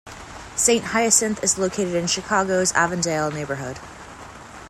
Saint Hyacinth is located in Chicago's Avondale neighborhood.